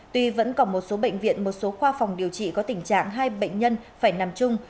tuy vẫn còn một số bệnh viện một số khoa phòng điều trị có tình trạng hai bệnh nhân phải nằm chung